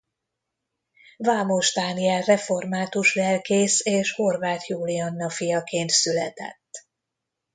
Vámos Dániel református lelkész és Horváth Julianna fiaként született.